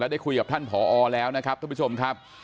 ได้คุยกับท่านผอแล้วนะครับท่านผู้ชมครับ